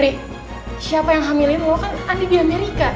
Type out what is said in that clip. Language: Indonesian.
eh siapa yang hamilin lo kan andi di amerika